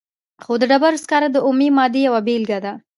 خو د ډبرو سکاره د اومې مادې یوه بیلګه ده.